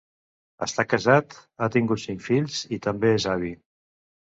Està casat, ha tingut cinc fills i també és avi.